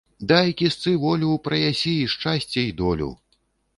Дай кішцы волю ‒ праясі і шчасце і долю